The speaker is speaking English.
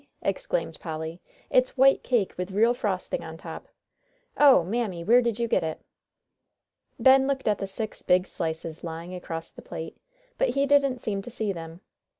exclaimed Polly, "it's white cake with real frosting on top. Oh, Mammy, where did you get it?" Ben looked at the six big slices lying across the plate, but he didn't seem to see them.